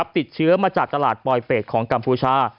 ติดเชื้อมาจากตลาดปลอยเฟสของกัมพูชา